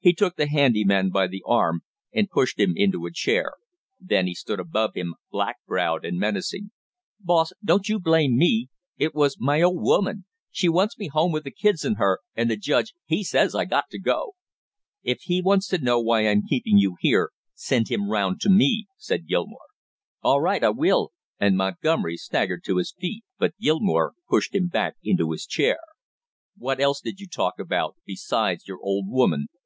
He took the handy man by the arm and pushed him into a chair, then he stood above him, black browed and menacing. "Boss, don't you blame me, it was my old woman; she wants me home with the kids and her, and the judge, he says I got to go!" "If he wants to know why I'm keeping you here, send him round to me!" said Gilmore. "All right, I will." And Montgomery staggered to his feet. But Gilmore pushed him back into his chair. "What else did you talk about besides your old woman?"